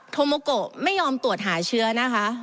โมโกไม่ยอมตรวจหาเชื้อนะคะ